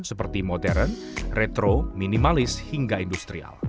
seperti modern retro minimalis hingga industrial